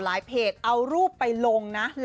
เพจเอารูปไปลงนะ